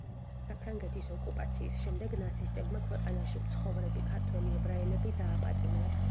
საფრანგეთის ოკუპაციის შემდეგ, ნაცისტებმა ქვეყანაში მცხოვრები ქართველი ებრაელები დააპატიმრეს.